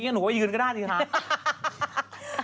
หนูก็ยืนก็ได้สิครับ